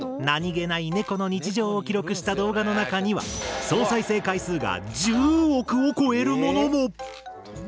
何気ないネコの日常を記録した動画の中には総再生回数が１０億を超えるものも！